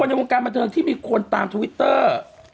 คนในวงการบันทึงที่ตามทวิตเตอร์